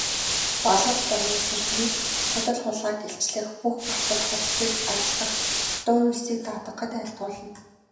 Балгандонойн сэржмийг худал хулгайг илчлэх, бүх барцад хорлолыг арилгах, хатуу үйлсийг даатгахад айлтгуулна.